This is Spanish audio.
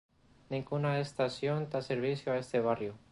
Ninguna estación da servicio a este barrio.